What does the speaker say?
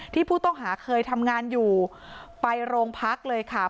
ที่ผู้ต้องหาเคยทำงานอยู่ไปโรงพักเลยค่ะ